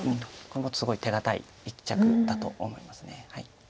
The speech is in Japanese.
これもすごい手堅い一着だと思います。